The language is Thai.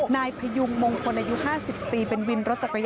นายพยุงมงคลอายุ๕๐ปีเป็นวินรถจักรยาน